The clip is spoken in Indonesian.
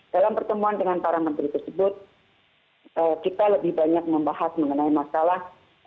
dalam pertemuan dengan para menteri tersebut kita lebih banyak membahas mengenai masalah